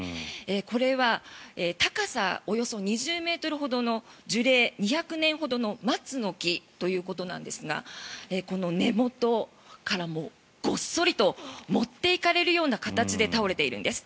これは高さおよそ２０ｍほどの樹齢２００年ほどの松の木ということなんですがこの根元から、ごっそりと持っていかれるような形で倒れているんです。